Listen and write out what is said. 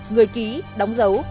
người ký đóng dấu